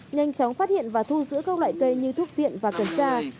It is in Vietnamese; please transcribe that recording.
nhanh chóng phát hiện và thu giữ các loại cây như thuốc viện và cần tra